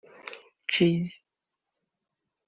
Jozy